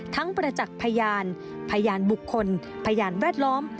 ประจักษ์พยานพยานบุคคลพยานแวดล้อม